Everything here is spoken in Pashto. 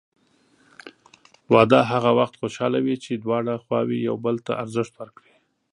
واده هغه وخت خوشحاله وي چې دواړه خواوې یو بل ته ارزښت ورکړي.